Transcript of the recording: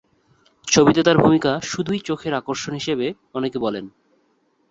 ছবিতে তার ভূমিকা শুধুই চোখের আকর্ষণ হিসেবে অনেকে বলেন।